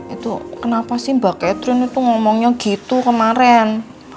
itu kenapa sih mbak catherine itu ngomongnya gitu kemarin